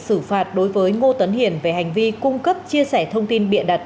xử phạt đối với ngô tấn hiền về hành vi cung cấp chia sẻ thông tin bịa đặt